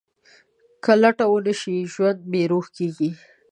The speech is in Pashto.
که لټه ونه شي، ژوند بېروح کېږي.